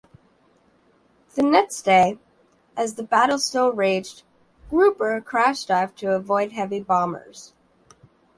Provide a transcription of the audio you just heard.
The next day, as the battle still raged, "Grouper" crash-dived to avoid heavy bombers.